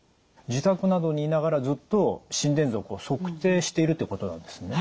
自宅などにいながらずっと心電図を測定しているということなんですね。